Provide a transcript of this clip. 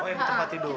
oh yang di tempat tidur